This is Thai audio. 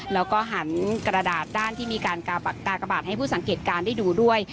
แล้วก็หันกระดาษด้านที่มีการกากบาทให้ผู้สังเกตการณ์ได้ดูด้วย